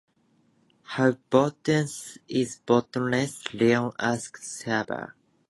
"How 'bottomless' is 'bottomless'?" Leon asked the server.